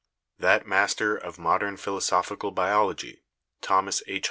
That master of modern philosophical biology, Thomas H.